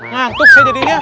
ngantuk saya jadinya